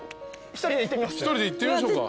１人でいってみましょうか。